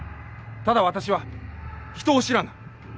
ただ私は人を知らぬ。